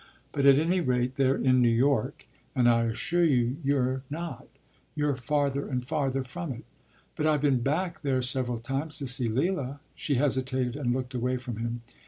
But at any rate they’re in New York; and I assure you you’re not; you’re farther and farther from it.” “But I’ve been back there several times to see Leila.” She hesitated and looked away from him.